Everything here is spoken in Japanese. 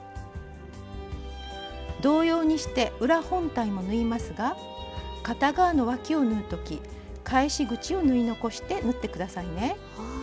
同様にして裏本体も縫いますが片側のわきを縫う時返し口を縫い残して縫って下さいね。